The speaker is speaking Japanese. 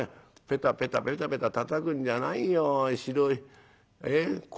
ペタペタペタペタたたくんじゃないよ白い粉を。